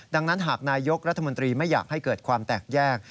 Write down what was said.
ดังนั้นหากนายกรัฐมนตรีไม่อยากให้เกิดความแตกแยก